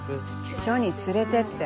署に連れてって。